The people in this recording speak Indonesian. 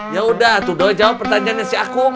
yaudah tuduh jawab pertanyaannya si akum